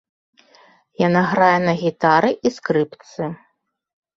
Яна грае на гітары і скрыпцы.